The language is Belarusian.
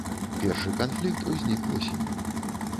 Першы канфлікт узнік восенню.